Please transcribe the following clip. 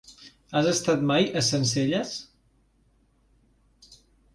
Has estat mai a Sencelles?